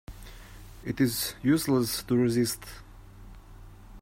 It is useless to resist.